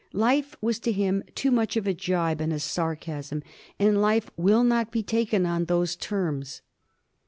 Life was to him too much of a gibe and a sarcasm, and life will not be taken on those terms.